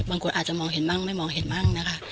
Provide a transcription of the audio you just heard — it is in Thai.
บางคนอาจจะมองเห็นบ้างไม่มองเห็นบ้างนะคะ